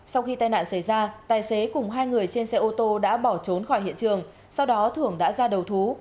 sau khi tai nạn xảy ra tài xế cùng hai người trên xe ô tô đã bỏ trốn khỏi hiện trường sau đó thưởng đã ra đầu thú